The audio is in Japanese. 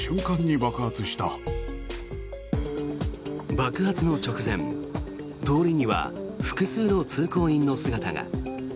爆発の直前通りには複数の通行人の姿が。